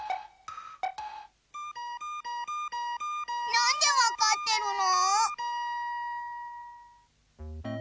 なんでわかってるの。